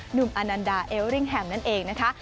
หนุ่มอันนันดาเอเวอริ่งแฮมนั่นเองนะคะ